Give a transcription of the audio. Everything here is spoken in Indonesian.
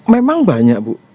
memang banyak bu